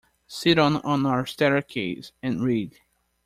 Sit on our staircase and read.